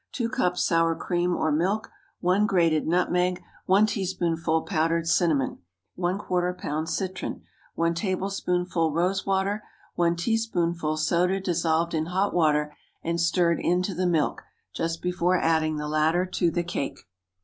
2 cups sour cream or milk. 1 grated nutmeg. 1 teaspoonful powdered cinnamon. ¼ lb. citron. 1 tablespoonful rose water. 1 teaspoonful soda dissolved in hot water, and stirred into the milk just before adding the latter to the cake.